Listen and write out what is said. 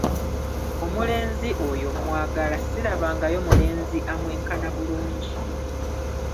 Omulenzi oyo mmwagala, sirabangayo mulenzi amwenkana bulungi.